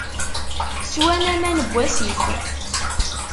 Swan aman n wasif.